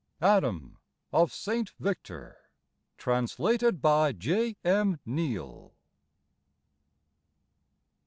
Adam of S. Victor. Translated by J. M. Neale.